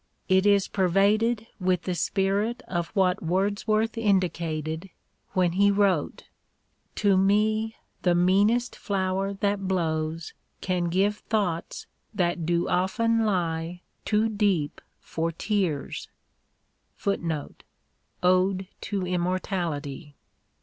It is pervaded with the spirit of what Wordsworth indicated when he wrote : To me the meanest flower that blows can give Thoughts that do often lie too deep for tears ; X *" Sacrifice." t Preface to " Parnassus." X " Ode to Immortality."